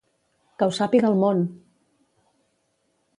Que ho sàpiga el món!